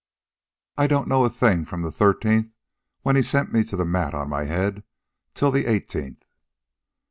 I don't know a thing from the thirteenth, when he sent me to the mat on my head, till the eighteenth.